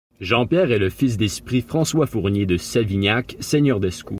Jean-Pierre est le fils d'Esprit François Fornier de Savignac, seigneur d'Ascou.